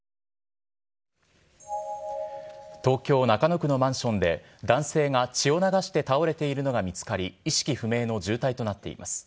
東京・中野区のマンションで、男性が血を流して倒れているのが見つかり、意識不明の重体となっています。